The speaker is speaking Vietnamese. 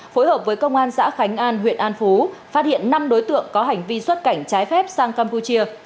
phối hợp với công an xã khánh an huyện an phú phát hiện năm đối tượng có hành vi xuất cảnh trái phép sang campuchia